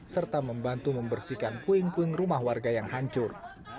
serta membantu membersihkan puing puing rumah warga yang hancur